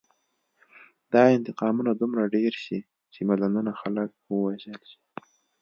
دا انتقامونه دومره ډېر شي چې میلیونونه خلک ووژل شي